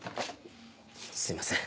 すいません。